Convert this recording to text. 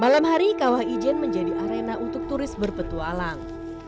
malam hari kawah ijen menjadi arena untuk turis berpetualang